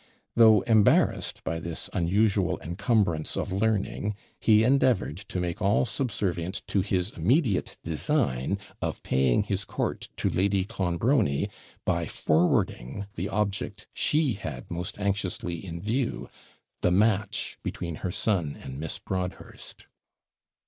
Though embarrassed by this unusual encumbrance of learning, he endeavoured to make all subservient to his immediate design, of paying his court to Lady Clonbrony, by forwarding the object she had most anxiously in view the match between her son and Miss Broadhurst.